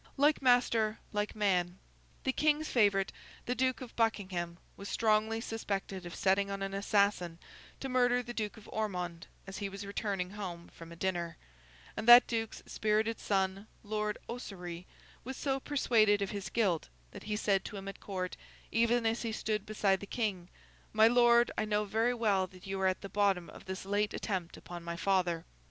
Like master, like man. The King's favourite, the Duke of Buckingham, was strongly suspected of setting on an assassin to murder the Duke of Ormond as he was returning home from a dinner; and that Duke's spirited son, Lord Ossory, was so persuaded of his guilt, that he said to him at Court, even as he stood beside the King, 'My lord, I know very well that you are at the bottom of this late attempt upon my father.